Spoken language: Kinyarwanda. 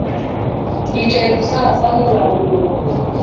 yicaye gusa asa nkurambiwe.